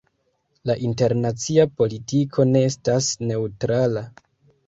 La internacia politiko ne estas neŭtrala.